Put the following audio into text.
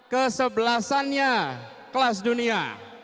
kesebelasannya kelas dunia